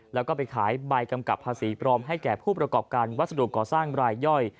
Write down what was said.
แล้วก็ไปขายใบกำกับภาษีปลอมให้แก่ผู้ประกอบการวัสดุก่อสร้างรายย่อย